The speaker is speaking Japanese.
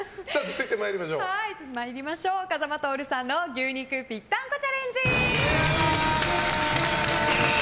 風間トオルさんの牛肉ぴったんこチャレンジ！